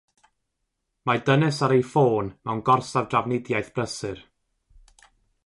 Mae dynes ar ei ffôn mewn gorsaf drafnidiaeth brysur.